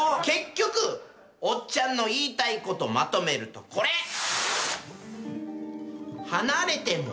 結局おっちゃんの言いたいことまとめるとこれ。